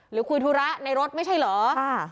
หรือคุยธุระในรถไม่ใช่เหรอ